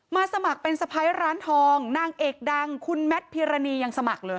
สมัครเป็นสะพ้ายร้านทองนางเอกดังคุณแมทพิรณียังสมัครเลย